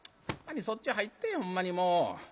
そっち入ってほんまにもう。